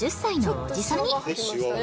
おじさま！